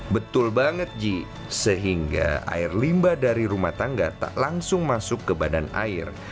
betul banget ji sehingga air limba dari rumah tangga tak langsung masuk ke badan air